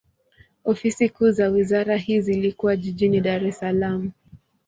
Ofisi kuu za wizara hii zilikuwa jijini Dar es Salaam.